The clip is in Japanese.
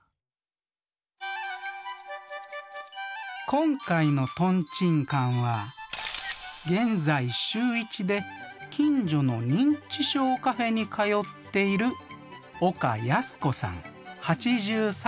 今回のトンチンカンは現在週１で近所の認知症カフェに通っている岡ヤスコさん８３歳。